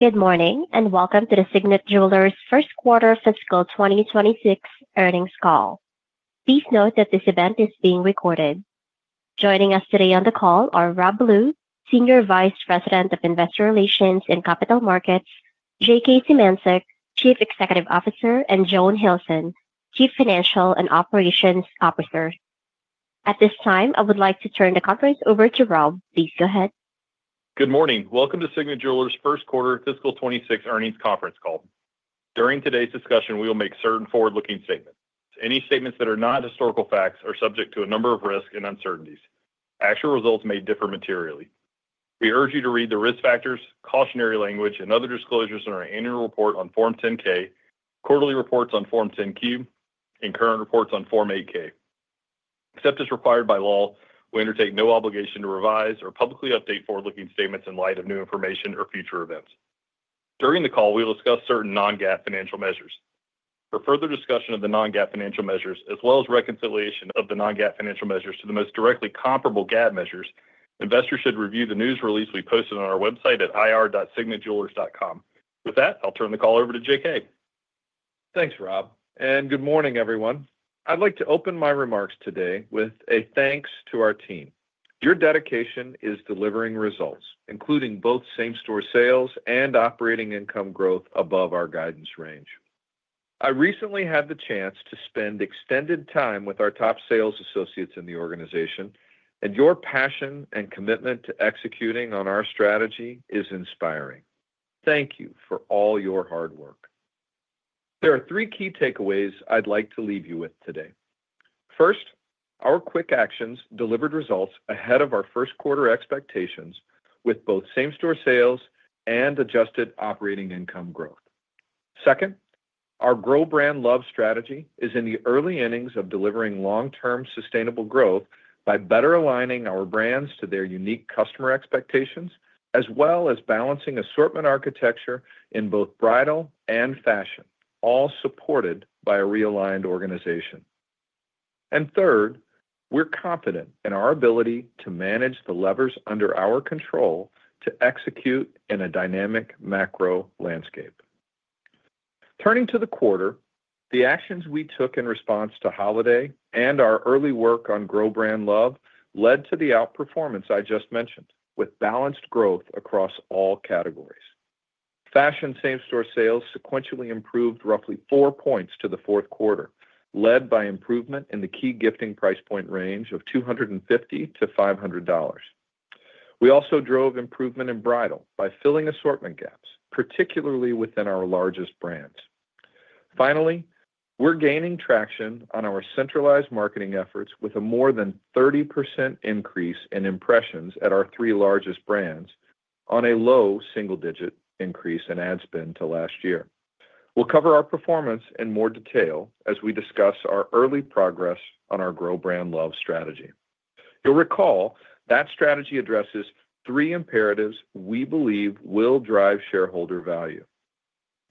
Good morning and welcome to the Signet Jewelers' first quarter fiscal 2026 earnings call. Please note that this event is being recorded. Joining us today on the call are Rob Ballew, Senior Vice President of Investor Relations and Capital Markets; J.K. Symancyk, Chief Executive Officer; and Joan Hilson, Chief Financial and Operations Officer. At this time, I would like to turn the conference over to Rob. Please go ahead. Good morning. Welcome to Signet Jewelers' first quarter fiscal 2026 earnings conference call. During today's discussion, we will make certain forward-looking statements. Any statements that are not historical facts are subject to a number of risks and uncertainties. Actual results may differ materially. We urge you to read the risk factors, cautionary language, and other disclosures in our annual report on Form 10-K, quarterly reports on Form 10-Q, and current reports on Form 8-K. Except as required by law, we undertake no obligation to revise or publicly update forward-looking statements in light of new information or future events. During the call, we will discuss certain non-GAAP financial measures. For further discussion of the non-GAAP financial measures, as well as reconciliation of the non-GAAP financial measures to the most directly comparable GAAP measures, investors should review the news release we posted on our website at ir.signetjewelers.com. With that, I'll turn the call over to J.K. Thanks, Rob. Good morning, everyone. I'd like to open my remarks today with a thanks to our team. Your dedication is delivering results, including both same-store sales and operating income growth above our guidance range. I recently had the chance to spend extended time with our top sales associates in the organization, and your passion and commitment to executing on our strategy is inspiring. Thank you for all your hard work. There are three key takeaways I'd like to leave you with today. First, our quick actions delivered results ahead of our first quarter expectations with both same-store sales and adjusted operating income growth. Second, our GROW brand love strategy is in the early innings of delivering long-term sustainable growth by better aligning our brands to their unique customer expectations, as well as balancing assortment architecture in both bridal and fashion, all supported by a realigned organization. Third, we're confident in our ability to manage the levers under our control to execute in a dynamic macro landscape. Turning to the quarter, the actions we took in response to holiday and our early work on GROW brand love led to the outperformance I just mentioned, with balanced growth across all categories. Fashion same-store sales sequentially improved roughly four points to the fourth quarter, led by improvement in the key gifting price point range of $250-$500. We also drove improvement in bridal by filling assortment gaps, particularly within our largest brands. Finally, we're gaining traction on our centralized marketing efforts with a more than 30% increase in impressions at our three largest brands, on a low single-digit increase in ad spend to last year. We'll cover our performance in more detail as we discuss our early progress on our GROW brand love strategy. You'll recall that strategy addresses three imperatives we believe will drive shareholder value.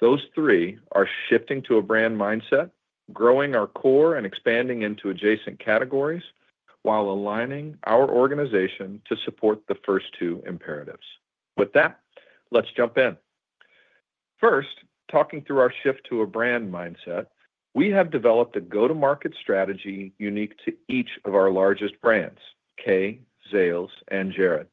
Those three are shifting to a brand mindset, growing our core, and expanding into adjacent categories, while aligning our organization to support the first two imperatives. With that, let's jump in. First, talking through our shift to a brand mindset, we have developed a go-to-market strategy unique to each of our largest brands: Kay, Zales, and Jared.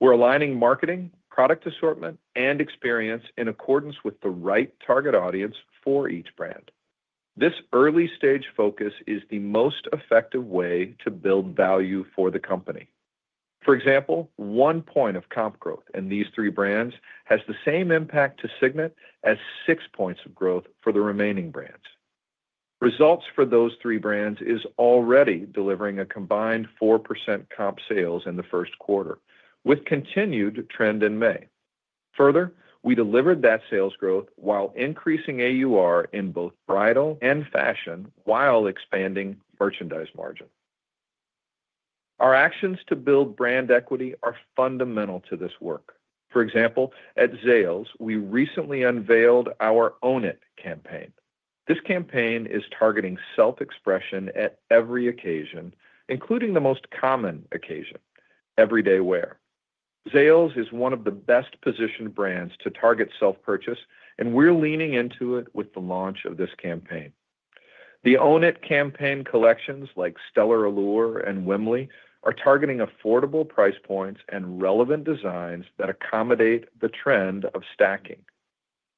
We're aligning marketing, product assortment, and experience in accordance with the right target audience for each brand. This early-stage focus is the most effective way to build value for the company. For example, one point of comp growth in these three brands has the same impact to Signet as six points of growth for the remaining brands. Results for those three brands are already delivering a combined 4% comp sales in the first quarter, with continued trend in May. Further, we delivered that sales growth while increasing AUR in both bridal and fashion, while expanding merchandise margin. Our actions to build brand equity are fundamental to this work. For example, at Zales, we recently unveiled our Own It campaign. This campaign is targeting self-expression at every occasion, including the most common occasion: everyday wear. Zales is one of the best-positioned brands to target self-purchase, and we're leaning into it with the launch of this campaign. The Own It campaign collections like Stellar Allure and Wimley are targeting affordable price points and relevant designs that accommodate the trend of stacking.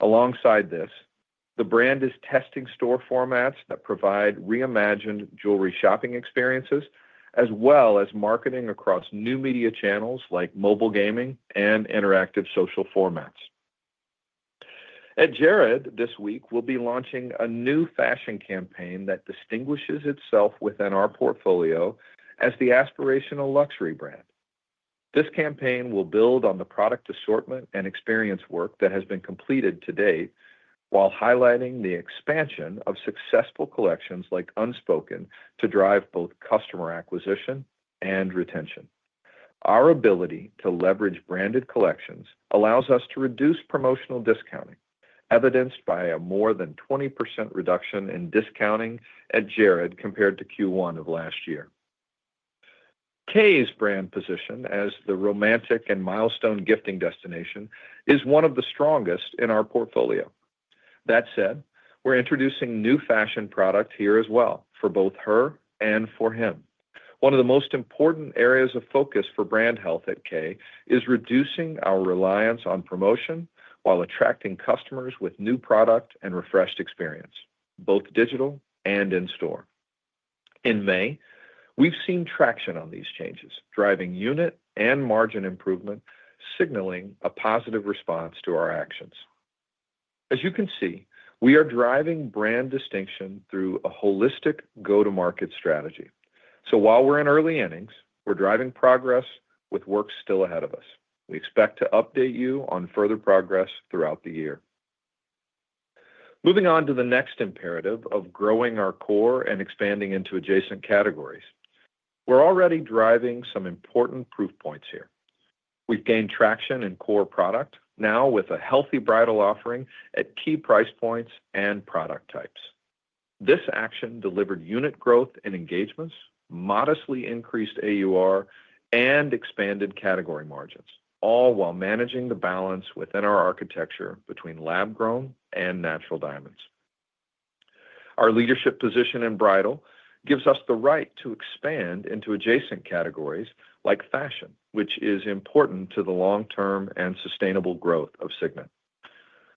Alongside this, the brand is testing store formats that provide reimagined jewelry shopping experiences, as well as marketing across new media channels like mobile gaming and interactive social formats. At Jared, this week, we'll be launching a new fashion campaign that distinguishes itself within our portfolio as the aspirational luxury brand. This campaign will build on the product assortment and experience work that has been completed to date, while highlighting the expansion of successful collections like Unspoken to drive both customer acquisition and retention. Our ability to leverage branded collections allows us to reduce promotional discounting, evidenced by a more than 20% reduction in discounting at Jared compared to Q1 of last year. Kay's brand position as the romantic and milestone gifting destination is one of the strongest in our portfolio. That said, we're introducing new fashion products here as well for both her and for him. One of the most important areas of focus for brand health at Kay is reducing our reliance on promotion while attracting customers with new product and refreshed experience, both digital and in store. In May, we've seen traction on these changes, driving unit and margin improvement, signaling a positive response to our actions. As you can see, we are driving brand distinction through a holistic go-to-market strategy. While we're in early innings, we're driving progress with work still ahead of us. We expect to update you on further progress throughout the year. Moving on to the next imperative of growing our core and expanding into adjacent categories, we're already driving some important proof points here. We've gained traction in core product, now with a healthy bridal offering at key price points and product types. This action delivered unit growth in engagements, modestly increased AUR, and expanded category margins, all while managing the balance within our architecture between lab-grown and natural diamonds. Our leadership position in bridal gives us the right to expand into adjacent categories like fashion, which is important to the long-term and sustainable growth of Signet.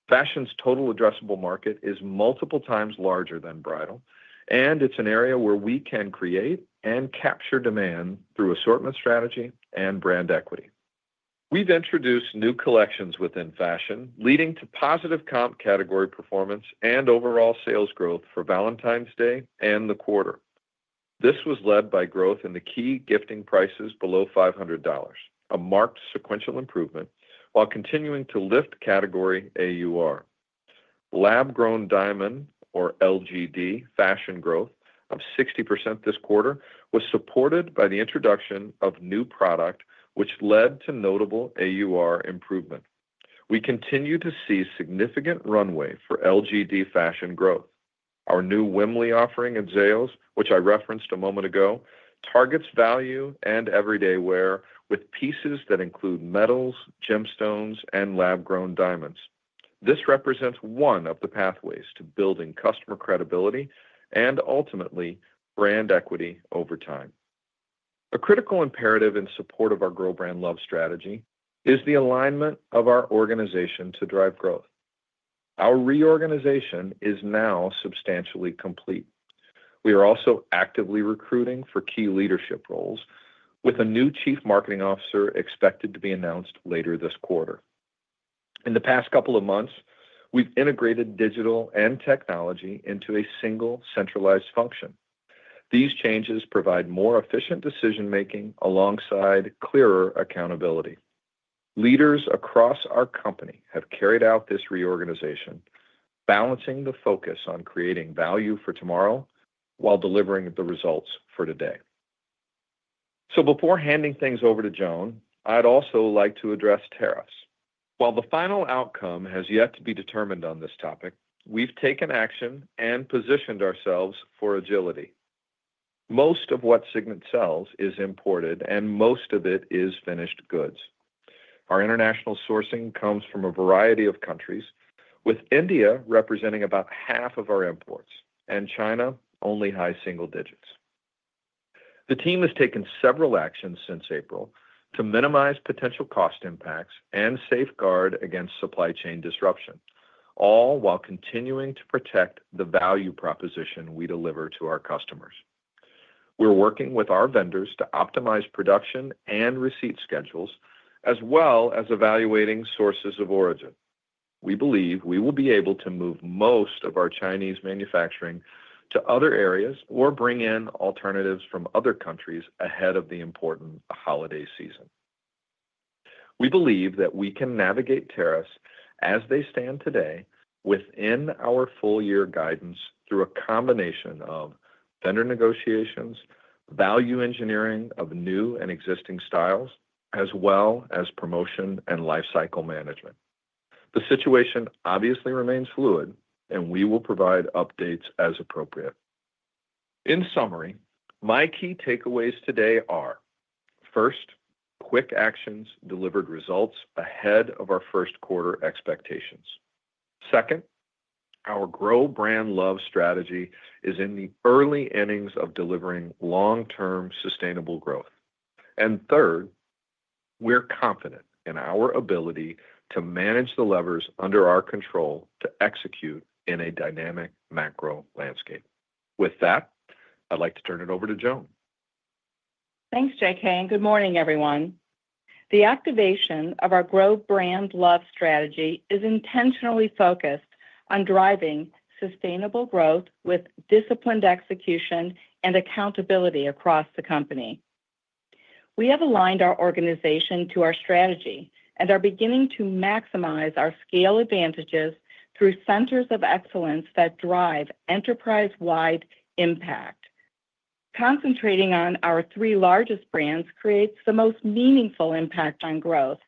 Fashion's total addressable market is multiple times larger than bridal, and it's an area where we can create and capture demand through assortment strategy and brand equity. We've introduced new collections within fashion, leading to positive comp category performance and overall sales growth for Valentine's Day and the quarter. This was led by growth in the key gifting prices below $500, a marked sequential improvement while continuing to lift category AUR. Lab-grown diamond, or LGD, fashion growth of 60% this quarter was supported by the introduction of new product, which led to notable AUR improvement. We continue to see significant runway for LGD fashion growth. Our new Wimley offering at Zales, which I referenced a moment ago, targets value and everyday wear with pieces that include metals, gemstones, and lab-grown diamonds. This represents one of the pathways to building customer credibility and ultimately brand equity over time. A critical imperative in support of our GROW brand love strategy is the alignment of our organization to drive growth. Our reorganization is now substantially complete. We are also actively recruiting for key leadership roles, with a new Chief Marketing Officer expected to be announced later this quarter. In the past couple of months, we've integrated digital and technology into a single centralized function. These changes provide more efficient decision-making alongside clearer accountability. Leaders across our company have carried out this reorganization, balancing the focus on creating value for tomorrow while delivering the results for today. Before handing things over to Joan, I'd also like to address tariffs. While the final outcome has yet to be determined on this topic, we've taken action and positioned ourselves for agility. Most of what Signet sells is imported, and most of it is finished goods. Our international sourcing comes from a variety of countries, with India representing about half of our imports, and China only high single digits. The team has taken several actions since April to minimize potential cost impacts and safeguard against supply chain disruption, all while continuing to protect the value proposition we deliver to our customers. We're working with our vendors to optimize production and receipt schedules, as well as evaluating sources of origin. We believe we will be able to move most of our Chinese manufacturing to other areas or bring in alternatives from other countries ahead of the important holiday season. We believe that we can navigate tariffs as they stand today within our full-year guidance through a combination of vendor negotiations, value engineering of new and existing styles, as well as promotion and lifecycle management. The situation obviously remains fluid, and we will provide updates as appropriate. In summary, my key takeaways today are: first, quick actions delivered results ahead of our first quarter expectations. Second, our GROW brand love strategy is in the early innings of delivering long-term sustainable growth. Third, we're confident in our ability to manage the levers under our control to execute in a dynamic macro landscape. With that, I'd like to turn it over to Joan. Thanks, J.K. And good morning, everyone. The activation of our GROW brand love strategy is intentionally focused on driving sustainable growth with disciplined execution and accountability across the company. We have aligned our organization to our strategy and are beginning to maximize our scale advantages through centers of excellence that drive enterprise-wide impact. Concentrating on our three largest brands creates the most meaningful impact on growth,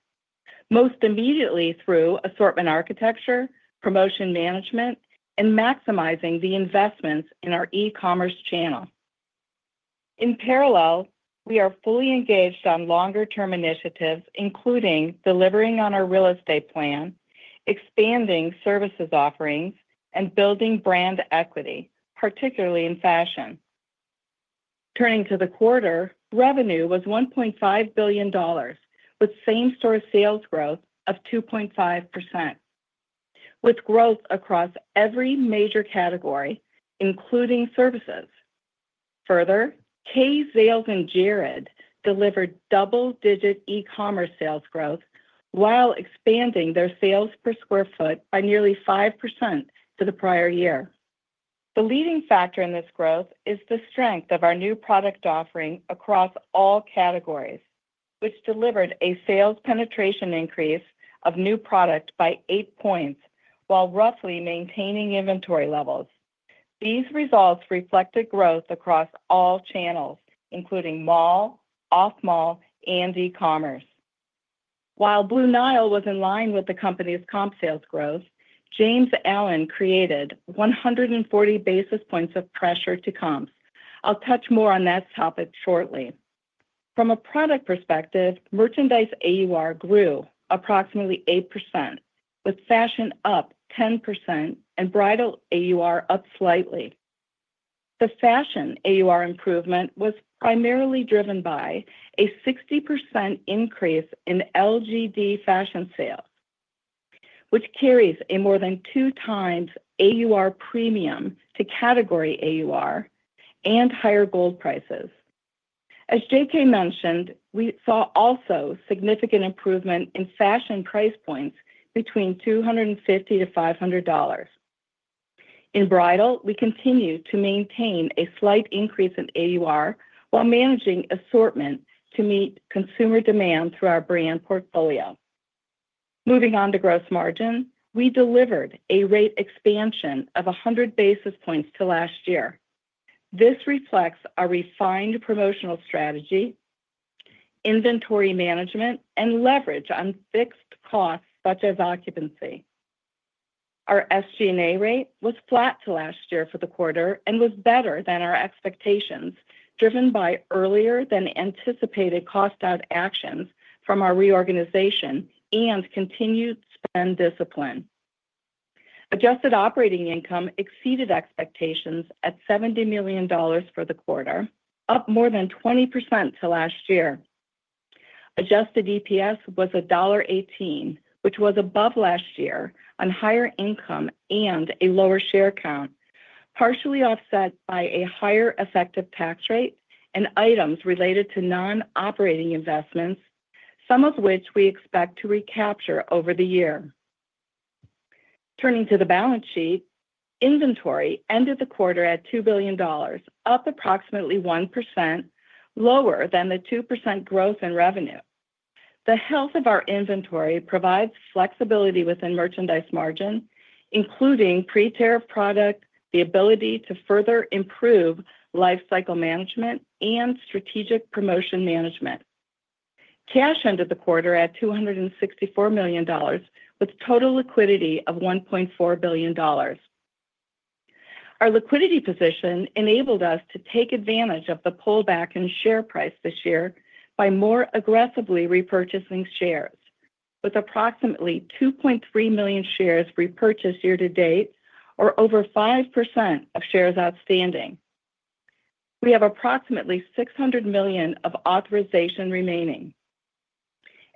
most immediately through assortment architecture, promotion management, and maximizing the investments in our e-commerce channel. In parallel, we are fully engaged on longer-term initiatives, including delivering on our real estate plan, expanding services offerings, and building brand equity, particularly in fashion. Turning to the quarter, revenue was $1.5 billion, with same-store sales growth of 2.5%, with growth across every major category, including services. Further, Kay, Zales, and Jared delivered double-digit e-commerce sales growth while expanding their sales per sq ft by nearly 5% to the prior year. The leading factor in this growth is the strength of our new product offering across all categories, which delivered a sales penetration increase of new product by eight percentage points while roughly maintaining inventory levels. These results reflected growth across all channels, including mall, off-mall, and e-commerce. While Blue Nile was in line with the company's comp sales growth, James Allen created 140 basis points of pressure to comps. I'll touch more on that topic shortly. From a product perspective, merchandise AUR grew approximately 8%, with fashion up 10% and bridal AUR up slightly. The fashion AUR improvement was primarily driven by a 60% increase in LGD fashion sales, which carries a more than two-times AUR premium to category AUR and higher gold prices. As J.K. mentioned, we saw also significant improvement in fashion price points between $250 to $500. In bridal, we continue to maintain a slight increase in AUR while managing assortment to meet consumer demand through our brand portfolio. Moving on to gross margin, we delivered a rate expansion of 100 basis points to last year. This reflects our refined promotional strategy, inventory management, and leverage on fixed costs such as occupancy. Our SG&A rate was flat to last year for the quarter and was better than our expectations, driven by earlier-than-anticipated cost-out actions from our reorganization and continued spend discipline. Adjusted operating income exceeded expectations at $70 million for the quarter, up more than 20% to last year. Adjusted EPS was $1.18, which was above last year on higher income and a lower share count, partially offset by a higher effective tax rate and items related to non-operating investments, some of which we expect to recapture over the year. Turning to the balance sheet, inventory ended the quarter at $2 billion, up approximately 1%, lower than the 2% growth in revenue. The health of our inventory provides flexibility within merchandise margin, including pre-tail product, the ability to further improve lifecycle management, and strategic promotion management. Cash ended the quarter at $264 million, with total liquidity of $1.4 billion. Our liquidity position enabled us to take advantage of the pullback in share price this year by more aggressively repurchasing shares, with approximately 2.3 million shares repurchased year to date, or over 5% of shares outstanding. We have approximately $600 million of authorization remaining.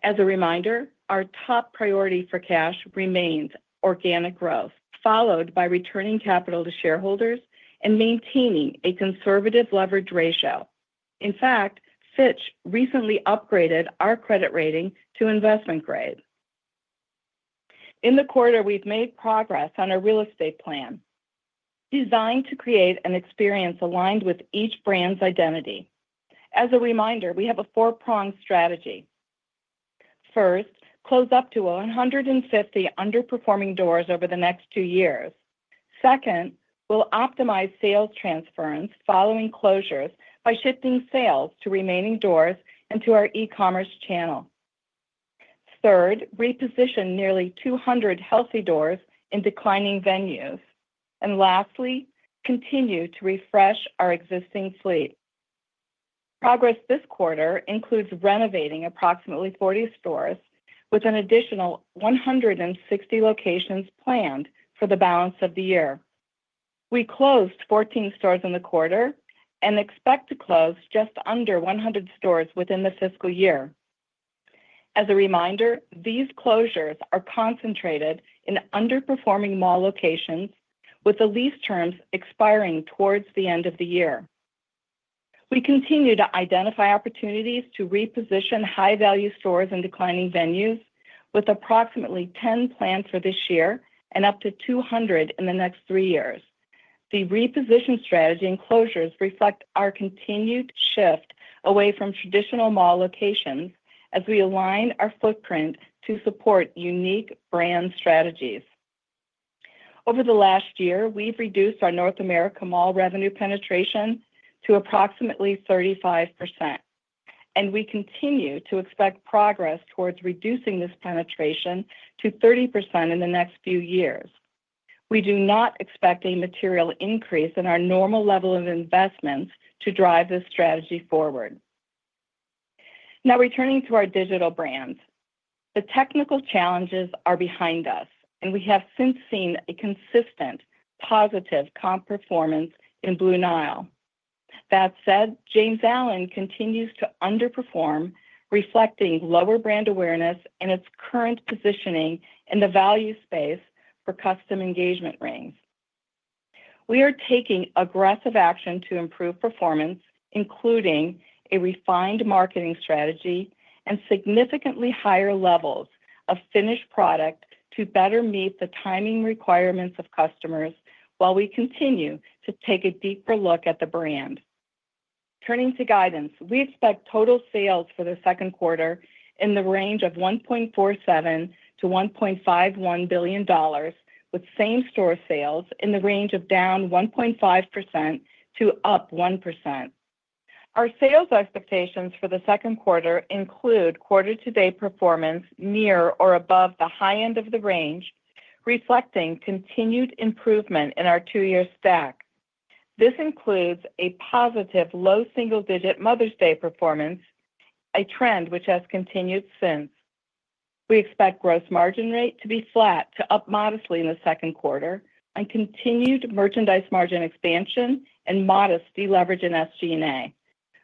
As a reminder, our top priority for cash remains organic growth, followed by returning capital to shareholders and maintaining a conservative leverage ratio. In fact, Fitch recently upgraded our credit rating to investment grade. In the quarter, we've made progress on our real estate plan, designed to create an experience aligned with each brand's identity. As a reminder, we have a four-pronged strategy. First, close up to 150 underperforming doors over the next two years. Second, we'll optimize sales transference following closures by shifting sales to remaining doors and to our e-commerce channel. Third, reposition nearly 200 healthy doors in declining venues. Lastly, continue to refresh our existing fleet. Progress this quarter includes renovating approximately 40 stores, with an additional 160 locations planned for the balance of the year. We closed 14 stores in the quarter and expect to close just under 100 stores within the fiscal year. As a reminder, these closures are concentrated in underperforming mall locations, with the lease terms expiring towards the end of the year. We continue to identify opportunities to reposition high-value stores in declining venues, with approximately 10 planned for this year and up to 200 in the next three years. The reposition strategy and closures reflect our continued shift away from traditional mall locations as we align our footprint to support unique brand strategies. Over the last year, we've reduced our North America mall revenue penetration to approximately 35%, and we continue to expect progress towards reducing this penetration to 30% in the next few years. We do not expect a material increase in our normal level of investments to drive this strategy forward. Now, returning to our digital brands, the technical challenges are behind us, and we have since seen a consistent positive comp performance in Blue Nile. That said, James Allen continues to underperform, reflecting lower brand awareness and its current positioning in the value space for custom engagement rings. We are taking aggressive action to improve performance, including a refined marketing strategy and significantly higher levels of finished product to better meet the timing requirements of customers while we continue to take a deeper look at the brand. Turning to guidance, we expect total sales for the second quarter in the range of $1.47-$1.51 billion, with same-store sales in the range of down 1.5% to up 1%. Our sales expectations for the second quarter include quarter-to-date performance near or above the high end of the range, reflecting continued improvement in our two-year stack. This includes a positive low single-digit Mother's Day performance, a trend which has continued since. We expect gross margin rate to be flat to up modestly in the second quarter and continued merchandise margin expansion and modest deleverage in SG&A.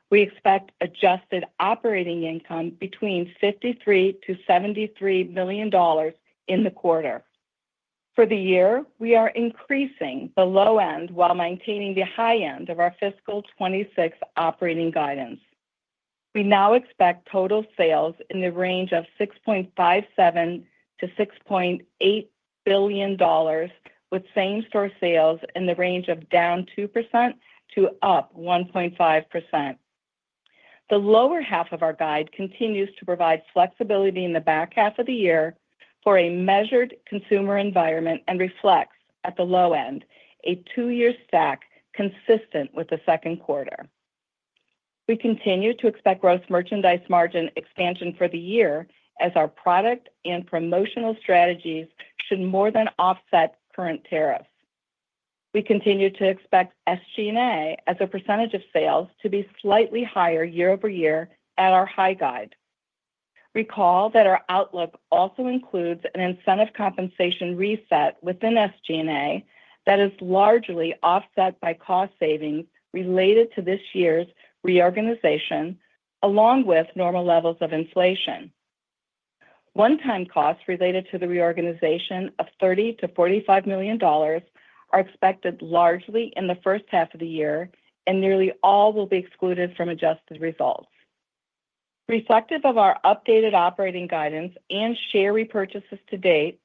We expect adjusted operating income between $53-$73 million in the quarter. For the year, we are increasing the low end while maintaining the high end of our fiscal 2026 operating guidance. We now expect total sales in the range of $6.57-$6.8 billion, with same-store sales in the range of down 2% to up 1.5%. The lower half of our guide continues to provide flexibility in the back half of the year for a measured consumer environment and reflects at the low end a two-year stack consistent with the second quarter. We continue to expect gross merchandise margin expansion for the year as our product and promotional strategies should more than offset current tariffs. We continue to expect SG&A as a percentage of sales to be slightly higher year over year at our high guide. Recall that our outlook also includes an incentive compensation reset within SG&A that is largely offset by cost savings related to this year's reorganization, along with normal levels of inflation. One-time costs related to the reorganization of $30-$45 million are expected largely in the first half of the year, and nearly all will be excluded from adjusted results. Reflective of our updated operating guidance and share repurchases to date,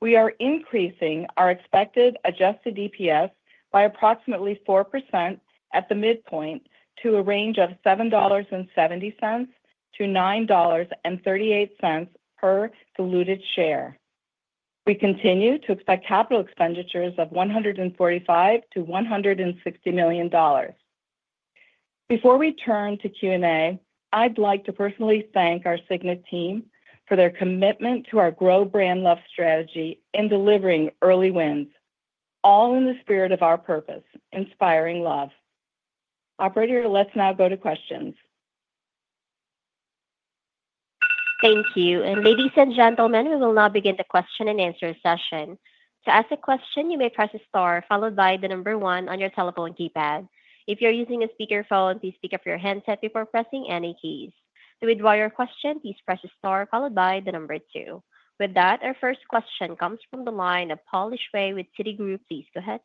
we are increasing our expected adjusted EPS by approximately 4% at the midpoint to a range of $7.70-$9.38 per diluted share. We continue to expect capital expenditures of $145-$160 million. Before we turn to Q&A, I'd like to personally thank our Signet team for their commitment to our GROW brand love strategy and delivering early wins, all in the spirit of our purpose: inspiring love. Operator, let's now go to questions. Thank you. Ladies and gentlemen, we will now begin the question and answer session. To ask a question, you may press * followed by the number one on your telephone keypad. If you are using a speakerphone, please pick up your headset before pressing any keys. To withdraw your question, please press * followed by the number two. With that, our first question comes from the line of Paul Lejuez with Citigroup. Please go ahead.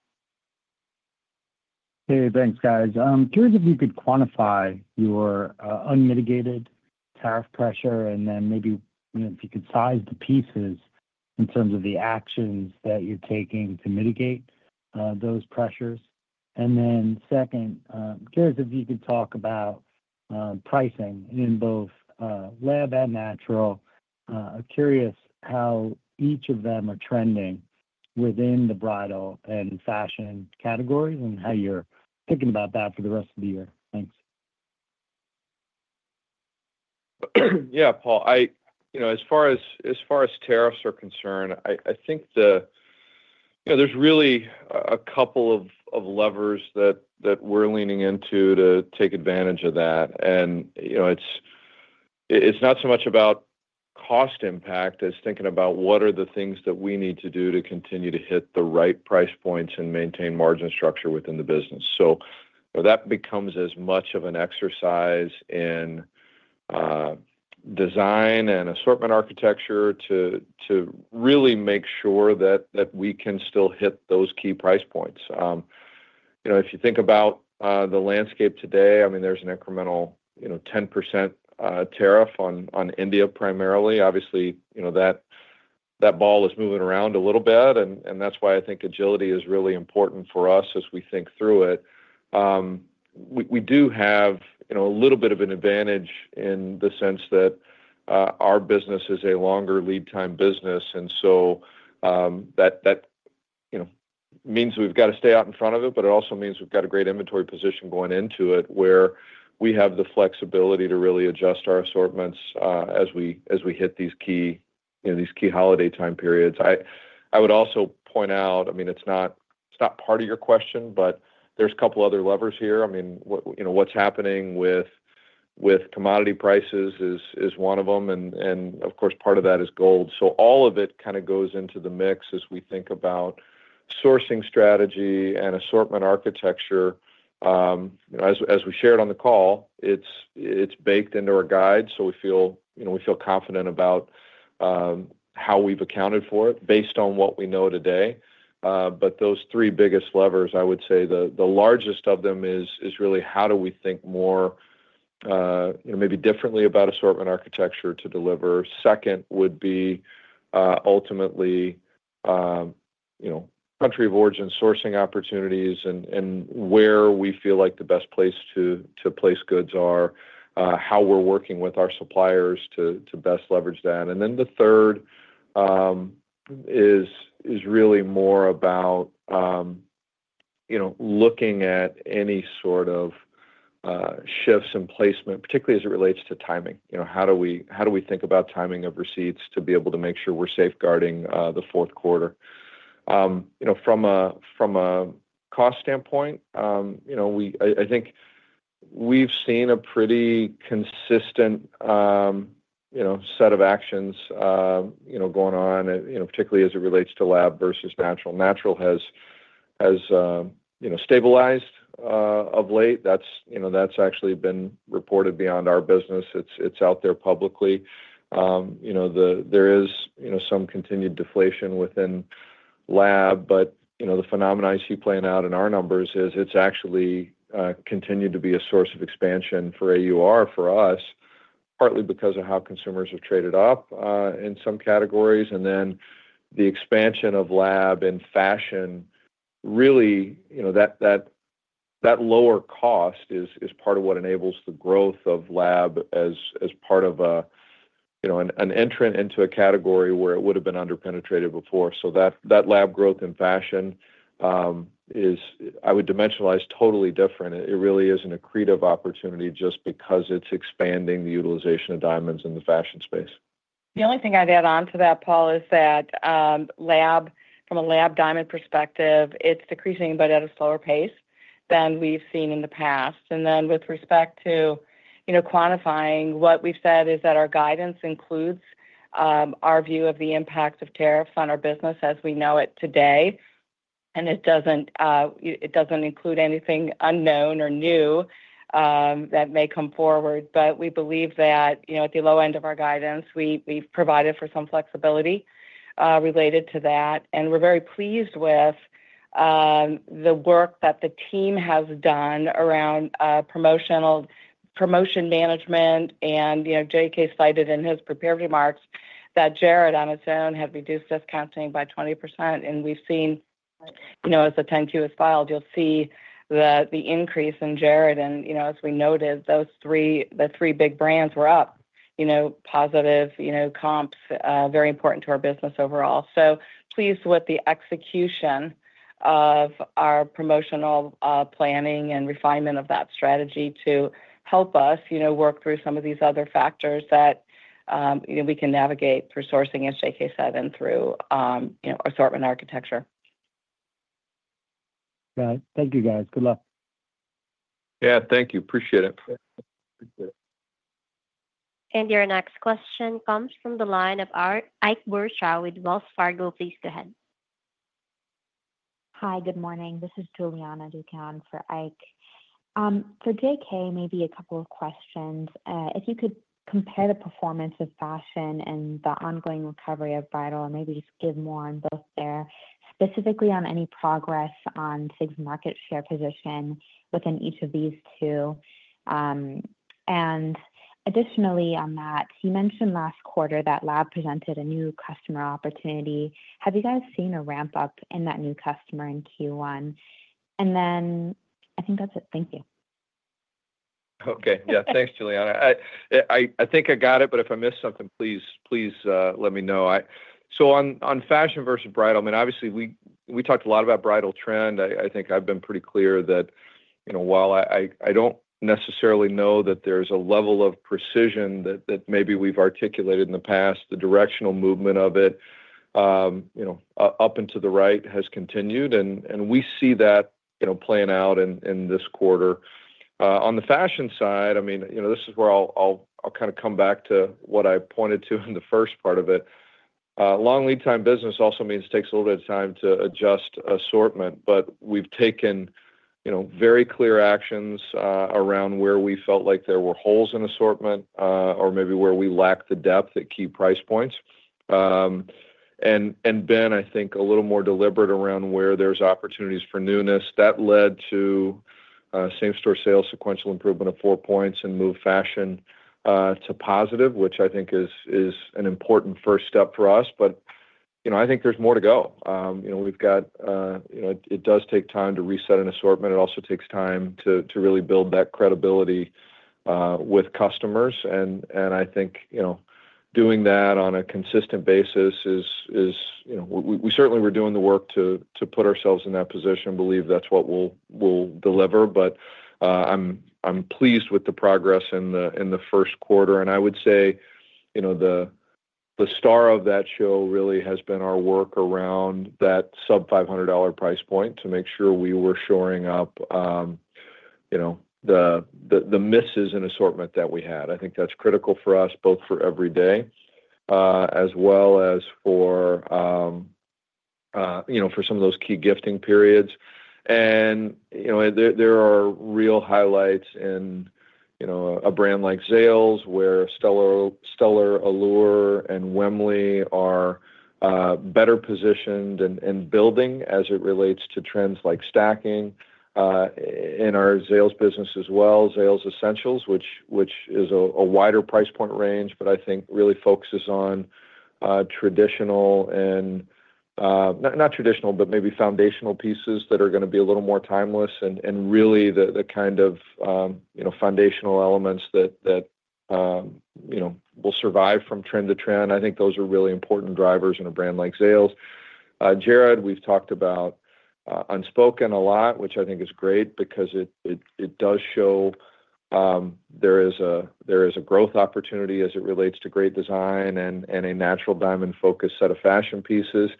Hey, thanks, guys. I'm curious if you could quantify your unmitigated tariff pressure and then maybe if you could size the pieces in terms of the actions that you're taking to mitigate those pressures. Second, I'm curious if you could talk about pricing in both lab and natural. I'm curious how each of them are trending within the bridal and fashion categories and how you're thinking about that for the rest of the year. Thanks. Yeah, Paul, as far as tariffs are concerned, I think there's really a couple of levers that we're leaning into to take advantage of that. It's not so much about cost impact as thinking about what are the things that we need to do to continue to hit the right price points and maintain margin structure within the business. That becomes as much of an exercise in design and assortment architecture to really make sure that we can still hit those key price points. If you think about the landscape today, I mean, there's an incremental 10% tariff on India primarily. Obviously, that ball is moving around a little bit, and that's why I think agility is really important for us as we think through it. We do have a little bit of an advantage in the sense that our business is a longer lead-time business, and that means we've got to stay out in front of it, but it also means we've got a great inventory position going into it where we have the flexibility to really adjust our assortments as we hit these key holiday time periods. I would also point out, I mean, it's not part of your question, but there's a couple of other levers here. I mean, what's happening with commodity prices is one of them, and of course, part of that is gold. All of it kind of goes into the mix as we think about sourcing strategy and assortment architecture. As we shared on the call, it's baked into our guide, so we feel confident about how we've accounted for it based on what we know today. Those three biggest levers, I would say the largest of them is really how do we think more maybe differently about assortment architecture to deliver. Second would be ultimately country of origin sourcing opportunities and where we feel like the best place to place goods are, how we're working with our suppliers to best leverage that. The third is really more about looking at any sort of shifts in placement, particularly as it relates to timing. How do we think about timing of receipts to be able to make sure we're safeguarding the fourth quarter? From a cost standpoint, I think we've seen a pretty consistent set of actions going on, particularly as it relates to lab versus natural. Natural has stabilized of late. That's actually been reported beyond our business. It's out there publicly. There is some continued deflation within lab, but the phenomenon I see playing out in our numbers is it's actually continued to be a source of expansion for AUR for us, partly because of how consumers have traded up in some categories. Then the expansion of lab and fashion, really that lower cost is part of what enables the growth of lab as part of an entrant into a category where it would have been underpenetrated before. That lab growth in fashion is, I would dimensionalize totally different. It really is an accretive opportunity just because it's expanding the utilization of diamonds in the fashion space. The only thing I'd add on to that, Paul, is that from a lab diamond perspective, it's decreasing but at a slower pace than we've seen in the past. Then with respect to quantifying, what we've said is that our guidance includes our view of the impact of tariffs on our business as we know it today. It doesn't include anything unknown or new that may come forward, but we believe that at the low end of our guidance, we've provided for some flexibility related to that. We're very pleased with the work that the team has done around promotion management. JK cited in his prepared remarks that Jared on its own had reduced discounting by 20%. We've seen, as the 10-Q is filed, you'll see the increase in Jared. As we noted, the three big brands were up, positive comps, very important to our business overall. Pleased with the execution of our promotional planning and refinement of that strategy to help us work through some of these other factors that we can navigate through sourcing and J.K. Symancyk through assortment architecture. Got it. Thank you, guys. Good luck. Yeah, thank you. Appreciate it. Your next question comes from the line of Ike Boruchow with Wells Fargo. Please go ahead. Hi, good morning. This is Juliana Duque for Ike. For J.K., maybe a couple of questions. If you could compare the performance of fashion and the ongoing recovery of bridal, and maybe just give more on both there, specifically on any progress on SIG's market share position within each of these two. Additionally on that, you mentioned last quarter that lab presented a new customer opportunity. Have you guys seen a ramp-up in that new customer in Q1? I think that's it. Thank you. Okay. Yeah. Thanks, Juliana. I think I got it, but if I missed something, please let me know. On fashion versus bridal, I mean, obviously, we talked a lot about bridal trend. I think I've been pretty clear that while I don't necessarily know that there's a level of precision that maybe we've articulated in the past, the directional movement of it up into the right has continued, and we see that playing out in this quarter. On the fashion side, I mean, this is where I'll kind of come back to what I pointed to in the first part of it. Long lead-time business also means it takes a little bit of time to adjust assortment, but we've taken very clear actions around where we felt like there were holes in assortment or maybe where we lacked the depth at key price points. I think, a little more deliberate around where there's opportunities for newness. That led to same-store sales sequential improvement of four points and move fashion to positive, which I think is an important first step for us, but I think there's more to go. We've got it does take time to reset an assortment. It also takes time to really build that credibility with customers. I think doing that on a consistent basis is we certainly were doing the work to put ourselves in that position, believe that's what we'll deliver, but I'm pleased with the progress in the first quarter. I would say the star of that show really has been our work around that sub-$500 price point to make sure we were shoring up the misses in assortment that we had. I think that's critical for us, both for every day as well as for some of those key gifting periods. There are real highlights in a brand like Zales where Stellar Allure and Wimley are better positioned and building as it relates to trends like stacking in our Zales business as well. Zales Essentials, which is a wider price point range, but I think really focuses on traditional and not traditional, but maybe foundational pieces that are going to be a little more timeless and really the kind of foundational elements that will survive from trend to trend. I think those are really important drivers in a brand like Zales. Jared, we've talked about Unspoken a lot, which I think is great because it does show there is a growth opportunity as it relates to great design and a natural diamond-focused set of fashion pieces.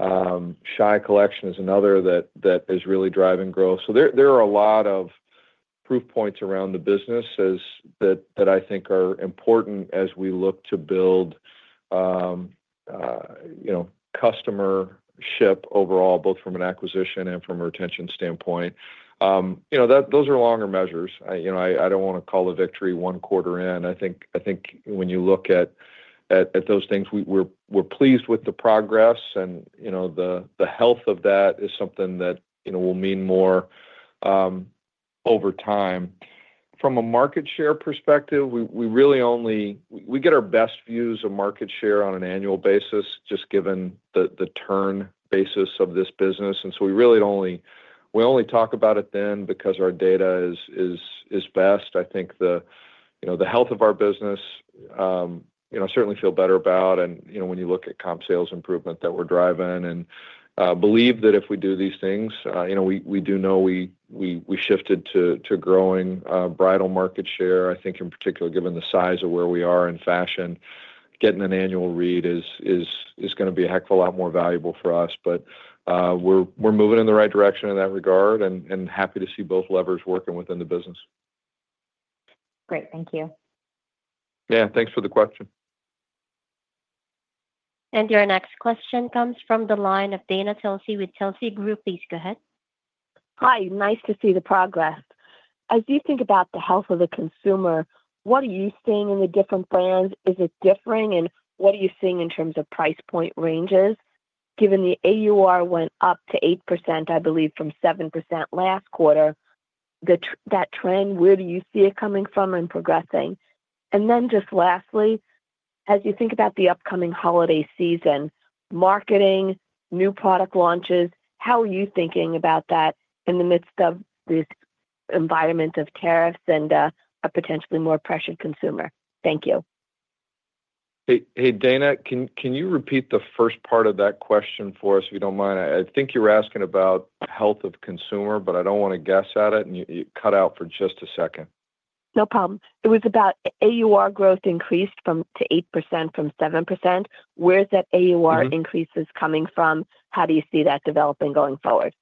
Shy Collection is another that is really driving growth. There are a lot of proof points around the business that I think are important as we look to build customer ship overall, both from an acquisition and from a retention standpoint. Those are longer measures. I do not want to call a victory one quarter in. I think when you look at those things, we are pleased with the progress, and the health of that is something that will mean more over time. From a market share perspective, we really only get our best views of market share on an annual basis just given the turn basis of this business. We really only talk about it then because our data is best. I think the health of our business, I certainly feel better about when you look at comp sales improvement that we're driving and believe that if we do these things, we do know we shifted to growing bridal market share. I think in particular, given the size of where we are in fashion, getting an annual read is going to be a heck of a lot more valuable for us, but we're moving in the right direction in that regard and happy to see both levers working within the business. Great. Thank you. Yeah. Thanks for the question. Your next question comes from the line of Dana Telsey with Telsey Group. Please go ahead. Hi. Nice to see the progress. As you think about the health of the consumer, what are you seeing in the different brands? Is it differing? What are you seeing in terms of price point ranges? Given the AUR went up to 8%, I believe, from 7% last quarter, that trend, where do you see it coming from and progressing? Lastly, as you think about the upcoming holiday season, marketing, new product launches, how are you thinking about that in the midst of this environment of tariffs and a potentially more pressured consumer? Thank you. Hey, Dana, can you repeat the first part of that question for us, if you don't mind? I think you were asking about health of consumer, but I do not want to guess at it, and you cut out for just a second. No problem. It was about AUR growth increased to 8% from 7%. Where's that AUR increase coming from? How do you see that developing going forward?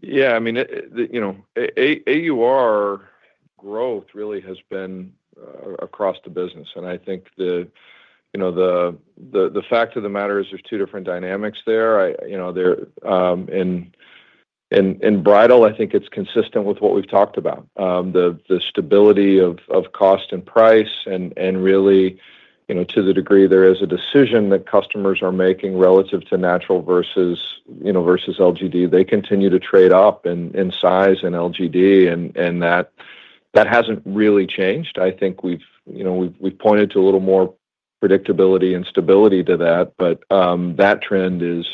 Yeah. I mean, AUR growth really has been across the business, and I think the fact of the matter is there's two different dynamics there. In bridal, I think it's consistent with what we've talked about, the stability of cost and price, and really to the degree there is a decision that customers are making relative to natural versus LGD, they continue to trade up in size in LGD, and that hasn't really changed. I think we've pointed to a little more predictability and stability to that, but that trend is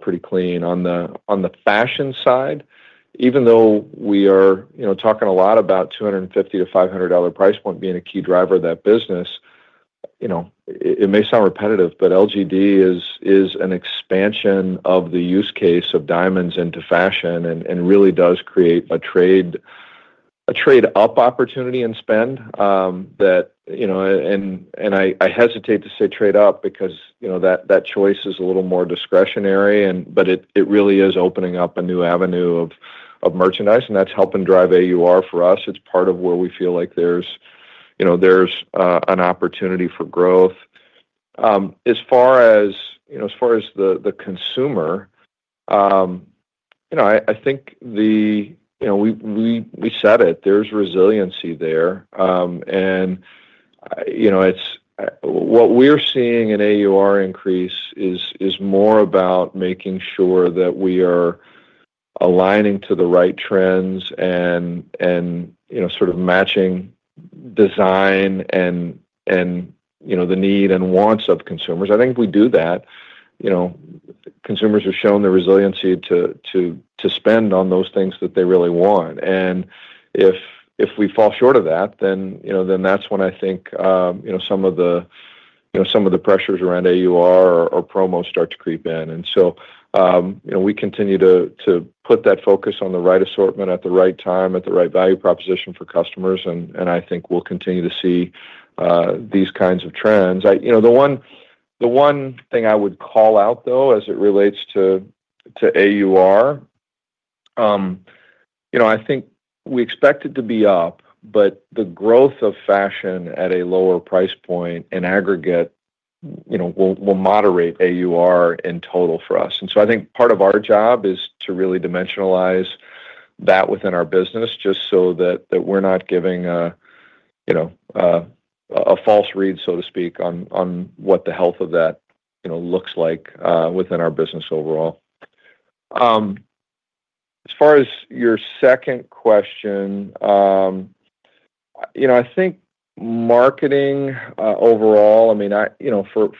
pretty clean. On the fashion side, even though we are talking a lot about $250 to $500 price point being a key driver of that business, it may sound repetitive, but LGD is an expansion of the use case of diamonds into fashion and really does create a trade-up opportunity and spend. I hesitate to say trade-up because that choice is a little more discretionary, but it really is opening up a new avenue of merchandise, and that's helping drive AUR for us. It's part of where we feel like there's an opportunity for growth. As far as the consumer, I think we said it. There's resiliency there. What we're seeing in AUR increase is more about making sure that we are aligning to the right trends and sort of matching design and the need and wants of consumers. I think if we do that, consumers have shown the resiliency to spend on those things that they really want. If we fall short of that, then that's when I think some of the pressures around AUR or promo start to creep in. We continue to put that focus on the right assortment at the right time, at the right value proposition for customers, and I think we'll continue to see these kinds of trends. The one thing I would call out, though, as it relates to AUR, I think we expect it to be up, but the growth of fashion at a lower price point in aggregate will moderate AUR in total for us. I think part of our job is to really dimensionalize that within our business just so that we're not giving a false read, so to speak, on what the health of that looks like within our business overall. As far as your second question, I think marketing overall, I mean,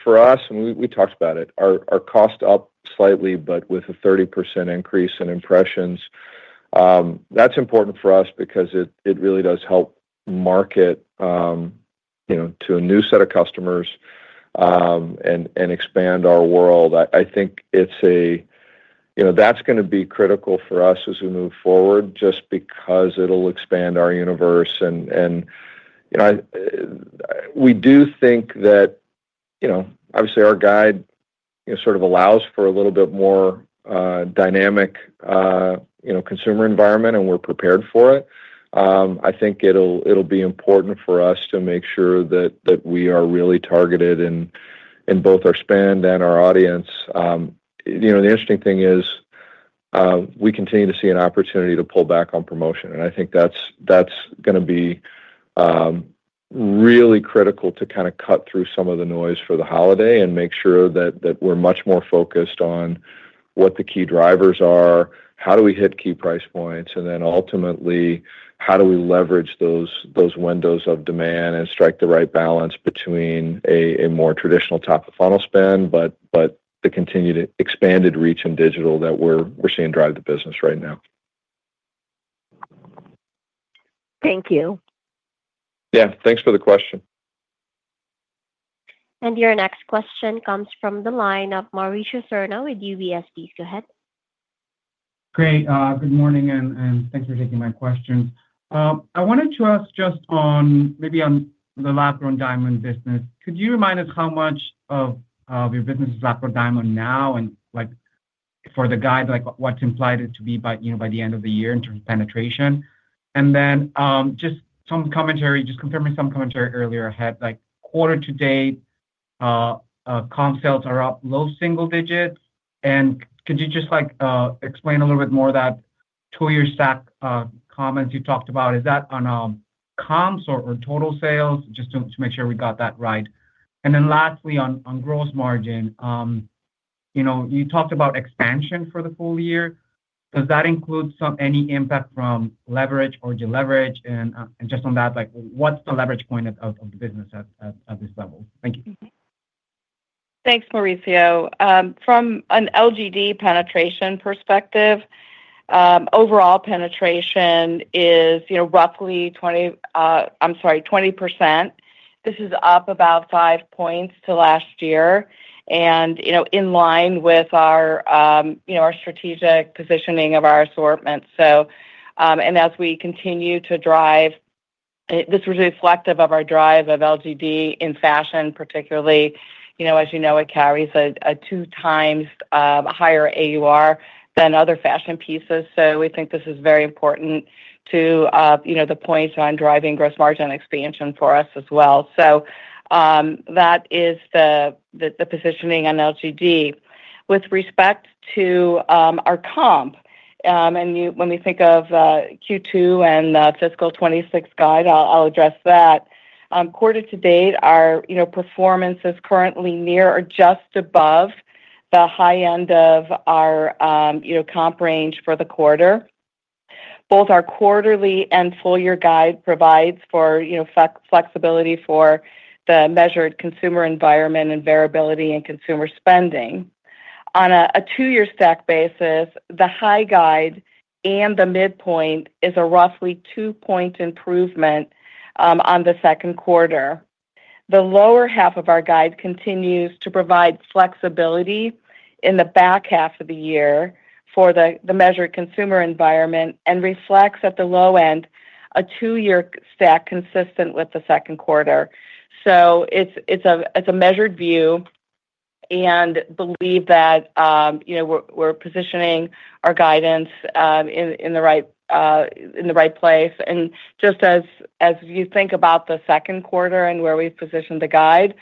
for us, and we talked about it, our cost up slightly, but with a 30% increase in impressions. That's important for us because it really does help market to a new set of customers and expand our world. I think that's going to be critical for us as we move forward just because it'll expand our universe. We do think that, obviously, our guide sort of allows for a little bit more dynamic consumer environment, and we're prepared for it. I think it'll be important for us to make sure that we are really targeted in both our spend and our audience. The interesting thing is we continue to see an opportunity to pull back on promotion, and I think that's going to be really critical to kind of cut through some of the noise for the holiday and make sure that we're much more focused on what the key drivers are, how do we hit key price points, and then ultimately, how do we leverage those windows of demand and strike the right balance between a more traditional top-of-funnel spend but the continued expanded reach in digital that we're seeing drive the business right now. Thank you. Yeah. Thanks for the question. Your next question comes from the line of Maurice Serna with UBS East. Go ahead. Great. Good morning, and thanks for taking my question. I wanted to ask just on maybe on the lab-grown diamond business. Could you remind us how much of your business is lab-grown diamond now and for the guide, what's implied it to be by the end of the year in terms of penetration? Just some commentary, just confirming some commentary earlier ahead. Quarter to date, comp sales are up low single digits. Could you just explain a little bit more of that two-year stack comments you talked about? Is that on comps or total sales? Just to make sure we got that right. Lastly, on gross margin, you talked about expansion for the full year. Does that include any impact from leverage or deleverage? Just on that, what's the leverage point of the business at this level? Thank you. Thanks, Mauricio. From an LGD penetration perspective, overall penetration is roughly, I'm sorry, 20%. This is up about five percentage points to last year and in line with our strategic positioning of our assortment. As we continue to drive, this was reflective of our drive of LGD in fashion, particularly. As you know, it carries a two-times higher AUR than other fashion pieces. We think this is very important to the points on driving gross margin expansion for us as well. That is the positioning on LGD. With respect to our comp, and when we think of Q2 and the fiscal 2026 guide, I'll address that. Quarter to date, our performance is currently near or just above the high end of our comp range for the quarter. Both our quarterly and full-year guide provides for flexibility for the measured consumer environment and variability in consumer spending. On a two-year stack basis, the high guide and the midpoint is a roughly two-point improvement on the second quarter. The lower half of our guide continues to provide flexibility in the back half of the year for the measured consumer environment and reflects at the low end a two-year stack consistent with the second quarter. It is a measured view, and I believe that we are positioning our guidance in the right place. Just as you think about the second quarter and where we have positioned the guide,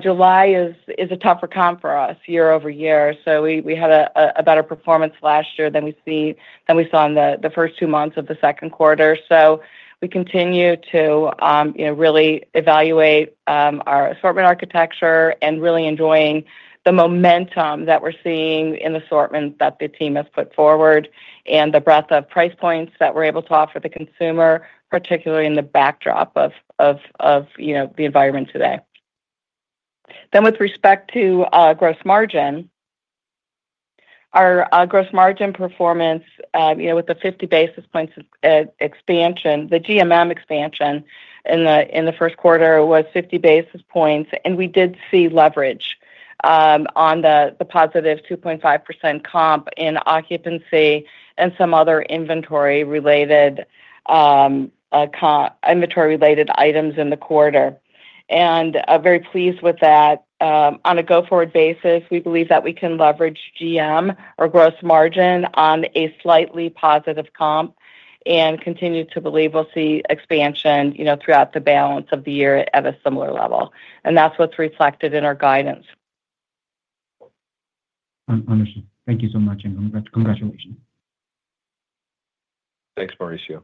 July is a tougher comp for us year over year. We had a better performance last year than we saw in the first two months of the second quarter. We continue to really evaluate our assortment architecture and really enjoying the momentum that we're seeing in the assortment that the team has put forward and the breadth of price points that we're able to offer the consumer, particularly in the backdrop of the environment today. With respect to gross margin, our gross margin performance with the 50 basis points expansion, the GMM expansion in the first quarter was 50 basis points, and we did see leverage on the positive 2.5% comp in occupancy and some other inventory-related items in the quarter. Very pleased with that. On a go-forward basis, we believe that we can leverage GM or gross margin on a slightly positive comp and continue to believe we'll see expansion throughout the balance of the year at a similar level. That's what's reflected in our guidance. Understood. Thank you so much, and congratulations. Thanks, Mauricio.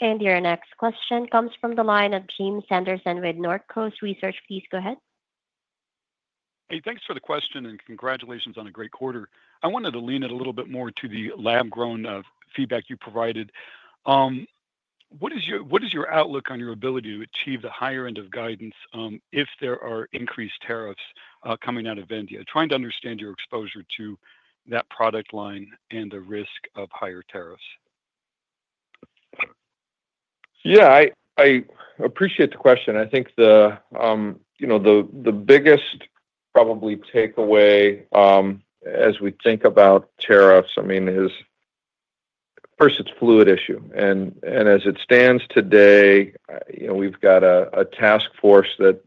Your next question comes from the line of Jim Sanderson with Northcoast Research. Please go ahead. Hey, thanks for the question, and congratulations on a great quarter. I wanted to lean in a little bit more to the lab-grown feedback you provided. What is your outlook on your ability to achieve the higher end of guidance if there are increased tariffs coming out of India? Trying to understand your exposure to that product line and the risk of higher tariffs. Yeah. I appreciate the question. I think the biggest probably takeaway as we think about tariffs, I mean, is first, it's a fluid issue. As it stands today, we've got a task force that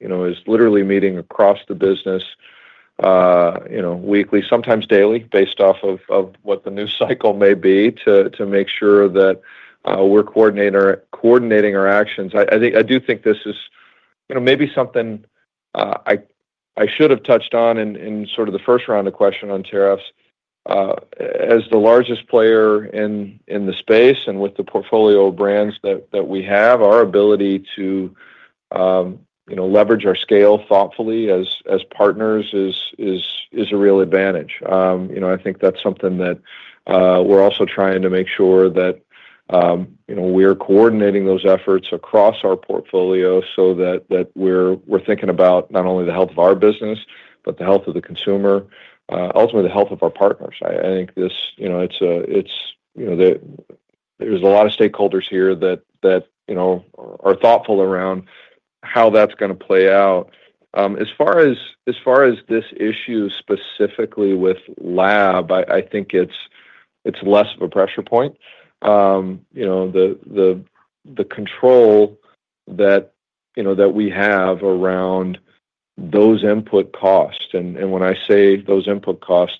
is literally meeting across the business weekly, sometimes daily, based off of what the news cycle may be to make sure that we're coordinating our actions. I do think this is maybe something I should have touched on in sort of the first round of questions on tariffs. As the largest player in the space and with the portfolio of brands that we have, our ability to leverage our scale thoughtfully as partners is a real advantage. I think that's something that we're also trying to make sure that we're coordinating those efforts across our portfolio so that we're thinking about not only the health of our business, but the health of the consumer, ultimately the health of our partners. I think there's a lot of stakeholders here that are thoughtful around how that's going to play out. As far as this issue specifically with lab, I think it's less of a pressure point. The control that we have around those input costs, and when I say those input costs,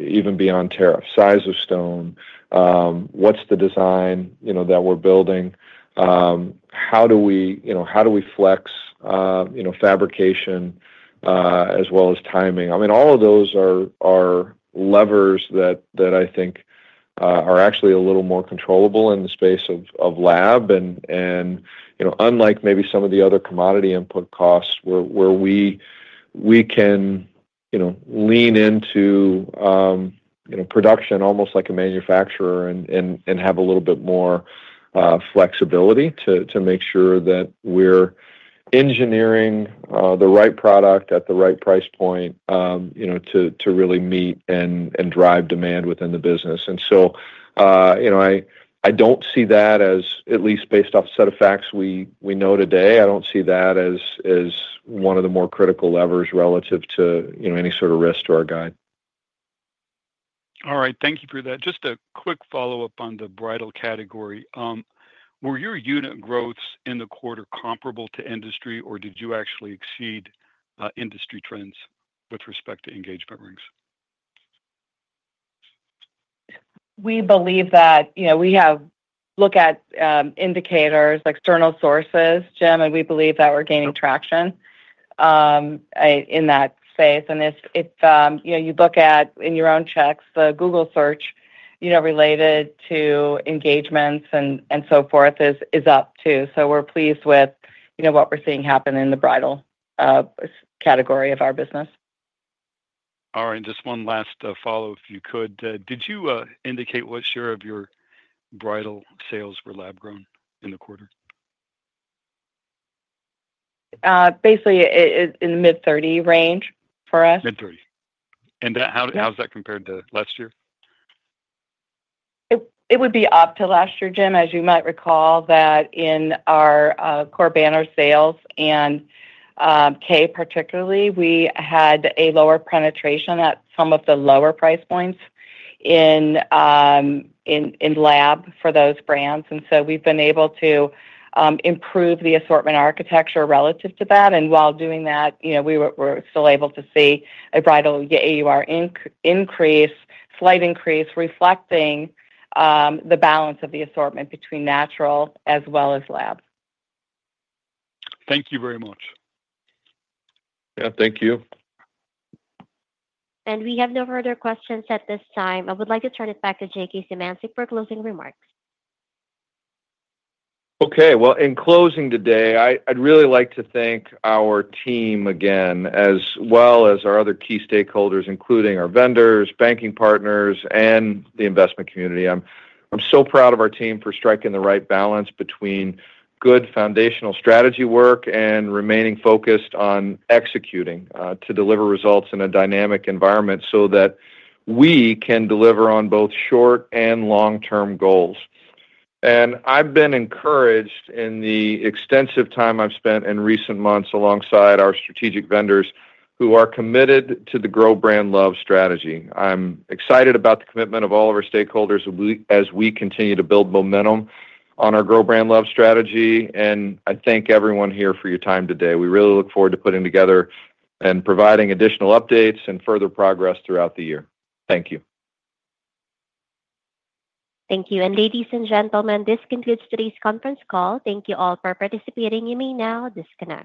even beyond tariff, size of stone, what's the design that we're building, how do we flex fabrication as well as timing. I mean, all of those are levers that I think are actually a little more controllable in the space of lab. Unlike maybe some of the other commodity input costs where we can lean into production almost like a manufacturer and have a little bit more flexibility to make sure that we're engineering the right product at the right price point to really meet and drive demand within the business, I don't see that as, at least based off the set of facts we know today, I don't see that as one of the more critical levers relative to any sort of risk to our guide. All right. Thank you for that. Just a quick follow-up on the bridal category. Were your unit growths in the quarter comparable to industry, or did you actually exceed industry trends with respect to engagement rings? We believe that we have looked at indicators like external sources, Jim, and we believe that we're gaining traction in that space. If you look at in your own checks, the Google search related to engagements and so forth is up too. We are pleased with what we're seeing happen in the bridal category of our business. All right. Just one last follow-up, if you could. Did you indicate what share of your bridal sales were lab-grown in the quarter? Basically, in the mid-30 range for us. Mid-30. How's that compared to last year? It would be up to last year, Jim. As you might recall, that in our core banner sales and Kay, particularly, we had a lower penetration at some of the lower price points in lab for those brands. We have been able to improve the assortment architecture relative to that. While doing that, we were still able to see a bridal AUR increase, slight increase, reflecting the balance of the assortment between natural as well as lab. Thank you very much. Yeah. Thank you. We have no further questions at this time. I would like to turn it back to J.K. Symancyk for closing remarks. Okay. In closing today, I'd really like to thank our team again, as well as our other key stakeholders, including our vendors, banking partners, and the investment community. I'm so proud of our team for striking the right balance between good foundational strategy work and remaining focused on executing to deliver results in a dynamic environment so that we can deliver on both short and long-term goals. I've been encouraged in the extensive time I've spent in recent months alongside our strategic vendors who are committed to the Grow Brand Love strategy. I'm excited about the commitment of all of our stakeholders as we continue to build momentum on our Grow Brand Love strategy. I thank everyone here for your time today. We really look forward to putting together and providing additional updates and further progress throughout the year. Thank you. Thank you. Ladies and gentlemen, this concludes today's conference call. Thank you all for participating. You may now disconnect.